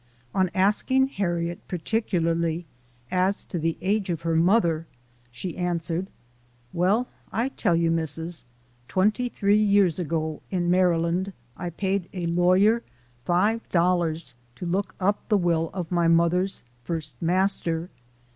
On asking Harriet particularly as to the age of her mother, she answered, "Well, I'll tell you, Mis sis. Twenty three years ago, in Maryland, I paid a lawyer $5 to look up the will of my mother's first master.